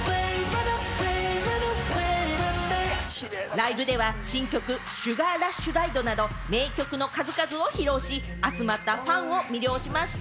ライブでは新曲『ＳｕｇａｒＲｕｓｈＲｉｄｅ』など名曲の数々を披露し、集まったファンを魅了しました。